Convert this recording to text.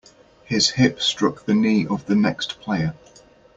His hip struck the knee of the next player.